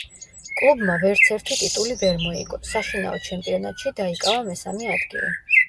კლუბმა ვერცერთი ტიტული ვერ მოიგო, საშინაო ჩემპიონატში დაიკავა მესამე ადგილი.